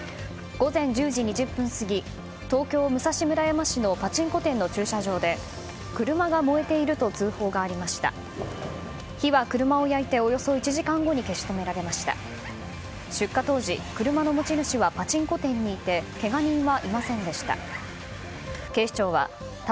午前１０時２０分過ぎ東京・武蔵村山市のパチンコ店の駐車場で車が燃えていると通報がありました。